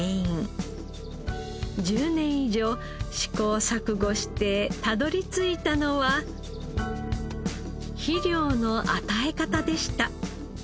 １０年以上試行錯誤してたどり着いたのは肥料の与え方でした。